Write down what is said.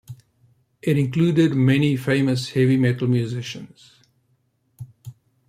It included many famous heavy metal musicians.